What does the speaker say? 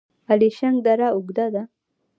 الیشنګ دره اوږده ده؟